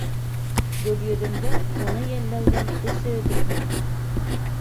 Гөлйөҙөмдөң уны йәлләүҙән эсе өҙөлдө.